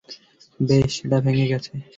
বেশ, এটা ভেঙ্গে গেছে।